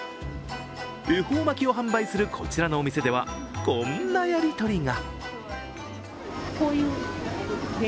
恵方巻きを販売するこちらのお店ではこんなやり取りが。